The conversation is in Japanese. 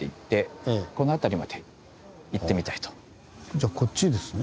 じゃこっちですね。